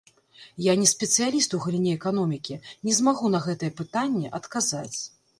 Я не спецыяліст у галіне эканомікі, не змагу на гэтае пытанне адказаць.